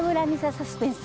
サスペンス